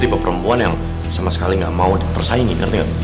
dia tuh tipe perempuan yang sama sekali gak mau dipersaingin ngerti gak